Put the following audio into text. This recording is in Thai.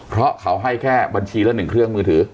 เพราะเขาให้แค่บัญชีละ๑เครื่องมือถือ